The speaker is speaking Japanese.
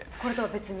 別に。